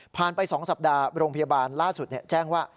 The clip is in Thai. ไป๒สัปดาห์โรงพยาบาลล่าสุดแจ้งว่า